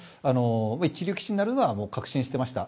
一流棋士になるのは確信していました。